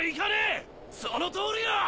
そのとおりよ！